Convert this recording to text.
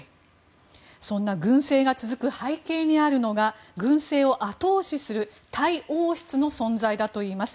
そんな軍政が続く背景にあるのが軍政を後押しするタイ王室の存在だといいます。